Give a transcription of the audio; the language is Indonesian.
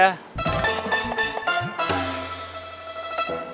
tidak ada yang minum